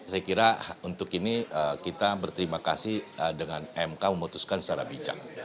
saya kira untuk ini kita berterima kasih dengan mk memutuskan secara bijak